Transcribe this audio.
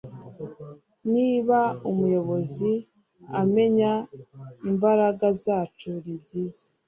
niba umuyobozi amenye imbaragazacu ni byiza